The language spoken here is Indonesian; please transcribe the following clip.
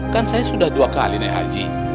kan saya sudah dua kali naik haji